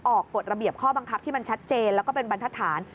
กฎระเบียบข้อบังคับที่มันชัดเจนแล้วก็เป็นบรรทฐาน